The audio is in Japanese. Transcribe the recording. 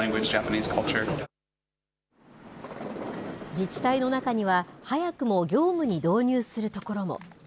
自治体の中には、早くも業務に導入するところも。